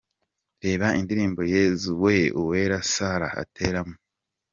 Reba indirimbo ‘‘Yesu we’’ Uwera Sarah ateramo:.